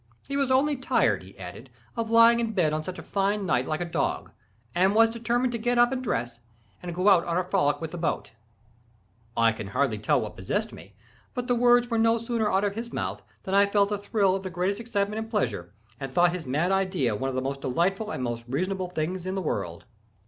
He was only tired, he added, of lying in bed on such a fine night like a dog, and was determined to get up and dress, and go out on a frolic with the boat. I can hardly tell what possessed me, but the words were no sooner out of his mouth than I felt a thrill of the greatest excitement and pleasure, and thought his mad idea one of the most delightful and most reasonable things in the world.